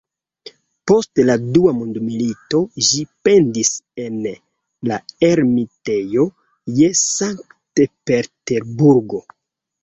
Post la Dua Mondmilito ĝi pendis en la Ermitejo je Sankt-Peterburgo.